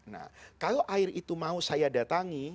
nah kalau air itu mau saya datangi